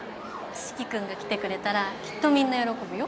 四鬼君が来てくれたらきっとみんな喜ぶよ。